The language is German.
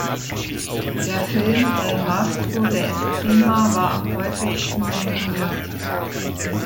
Der Film "El maestro de esgrima" war am häufigsten nominiert.